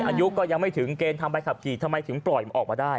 อายุก็ยังไม่ถึงเกณฑ์ทำใบขับขี่ทำไมถึงปล่อยมันออกมาได้